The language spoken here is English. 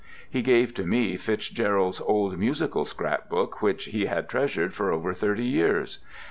He gave to me FitzGerald's old musical scrapbook, which he had treasured for over thirty years.